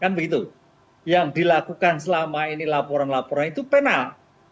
kan begitu yang dilakukan selama ini laporan laporan itu penal